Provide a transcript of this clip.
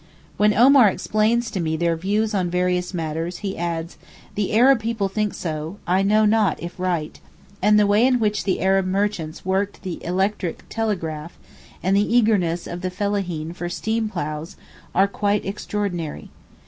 When Omar explains to me their views on various matters, he adds: 'The Arab people think so—I know not if right;' and the way in which the Arab merchants worked the electric telegraph, and the eagerness of the Fellaheen for steam ploughs, are quite extraordinary.